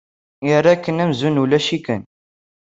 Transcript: Yerra-ken amzun ulac-iken.